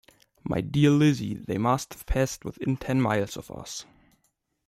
My dear Lizzy, they must have passed within ten miles of us.